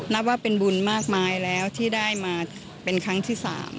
นับว่าเป็นบุญมากมายแล้วที่ได้มาเป็นครั้งที่๓